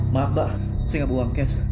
maaf pak saya gak mau uang kes